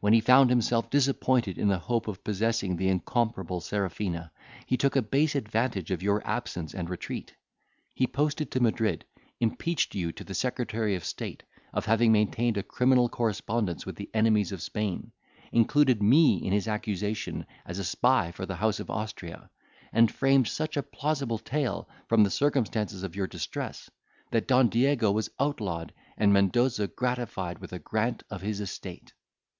when he found himself disappointed in the hope of possessing the incomparable Serafina, he took a base advantage of your absence and retreat. He posted to Madrid, impeached you to the secretary of state of having maintained a criminal correspondence with the enemies of Spain, included me in his accusation, as a spy for the house of Austria, and framed such a plausible tale, from the circumstances of your distress, that Don Diego was outlawed, and Mendoza gratified with a grant of his estate.